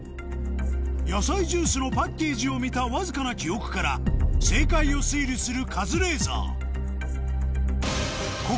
野菜ジュースのパッケージを見たわずかな記憶から正解を推理する